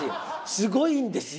すごいんですよ。